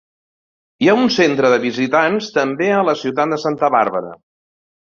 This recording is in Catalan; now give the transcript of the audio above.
Hi ha un centre de visitants també a la ciutat de Santa Bàrbara.